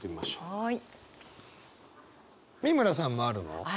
はい。